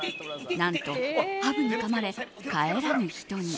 何とハブにかまれ、帰らぬ人に。